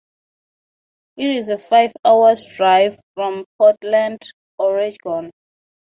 It is a five hours' drive from Portland, Oregon.